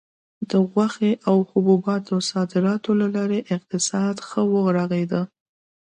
د غوښې او حبوباتو صادراتو له لارې اقتصاد ښه وغوړېد.